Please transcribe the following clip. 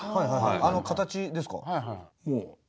あの形ですか。